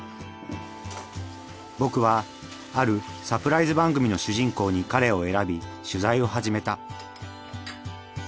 僕はあるサプライズ番組の主人公に彼を選び取材を始めた。